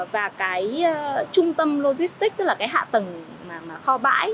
và cái trung tâm logistics tức là cái hạ tầng kho bãi